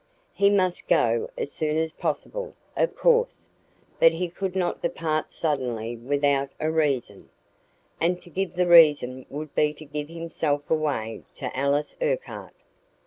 He must go as soon as possible, of course; but he could not depart suddenly without a reason, and to give the reason would be to give himself away to Alice Urquhart.